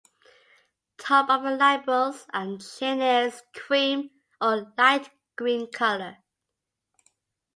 Top of the labials and chin is cream or light green color.